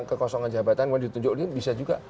kekosongan jabatan mau ditunjukin bisa juga